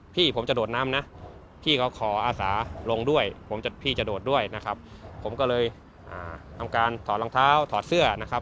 พี่ผมจะโดดน้ำนะพี่เขาขออาสาลงด้วยผมจะพี่จะโดดด้วยนะครับผมก็เลยทำการถอดรองเท้าถอดเสื้อนะครับ